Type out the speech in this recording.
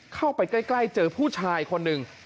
เข้าไปใกล้เจอผู้ชายคนหนึ่ง